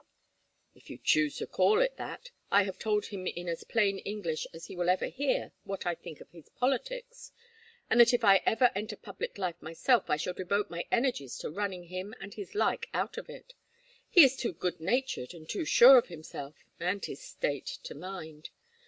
"If you choose to call it that. I have told him in as plain English as he will ever hear what I think of his politics, and that if I ever enter public life myself I shall devote my energies to running him and his like out of it. He is too good natured and too sure of himself and his State! to mind.